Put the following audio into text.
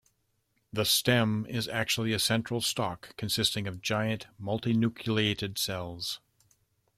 The "stem" is actually a central stalk consisting of giant, multinucleated cells.